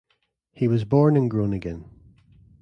He was born in Groningen.